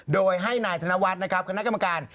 โดยให้นายธนวัฒน์นะครับคณะกรรมการ